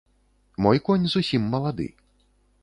Мой конь зусім малады.